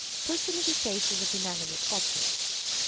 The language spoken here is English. Personification of Inanimate Objects.